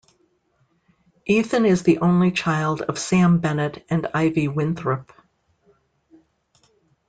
Ethan is the only child of Sam Bennett and Ivy Winthrop.